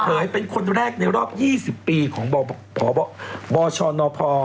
เป็นคนแรกในรอบ๒๐ปีของพบชนพ